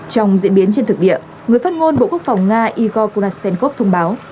trong diễn biến trên thực địa người phát ngôn bộ quốc phòng nga igor kunashenkov thông báo